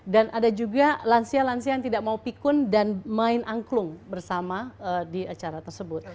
dan ada juga lansia lansia yang tidak mau pikun dan main angklung bersama di acara tersebut